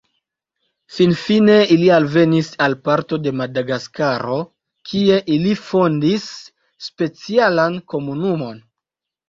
Finfine ili alvenis al parto de Madagaskaro kie ili fondis specialan komunumon.